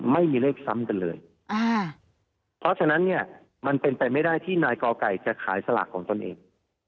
ไม่มีเลขซ้ำกันเลยเพราะฉะนั้นเนี่ยมันเป็นไปไม่ได้ที่นายกอไก่จะขายสลากของตนเอง